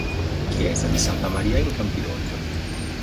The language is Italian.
Chiesa di Santa Maria in Campidoglio